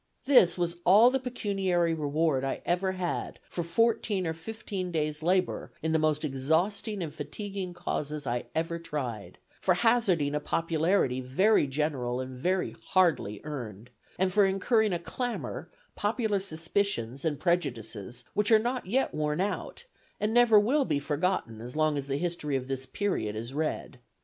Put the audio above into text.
This was all the pecuniary reward I ever had for fourteen or fifteen days' labor in the most exhausting and fatiguing causes I ever tried, for hazarding a popularity very general and very hardly earned, and for incurring a clamor, popular suspicions and prejudices, which are not yet worn out, and never will be forgotten as long as the history of this period is read.